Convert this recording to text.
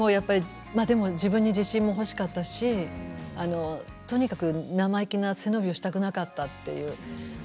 自分に自信も欲しかったし特に生意気な背伸びをしたくなかった。